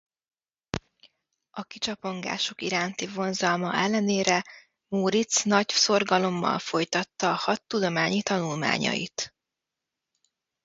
A kicsapongások iránti vonzalma ellenére Móric nagy szorgalommal folytatta a hadtudományi tanulmányait.